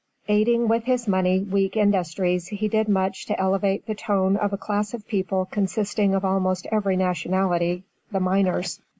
Aiding with his money weak industries, he did much to elevate the tone of a class of people consisting of almost every nationality the miners.